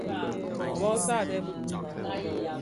Bu i sààdee bi kikumàg.